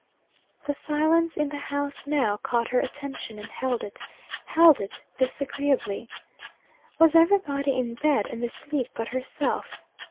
The silence in the house now caught her attention, and held it held it disagreeably. Was everybody in bed and asleep but herself?